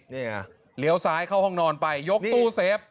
นี่ไงเลี้ยวซ้ายเข้าห้องนอนไปยกตู้เซฟ